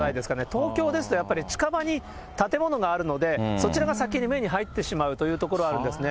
東京ですと、やっぱり近場に建物があるので、そちらが先に目に入ってしまうというところがあるんですね。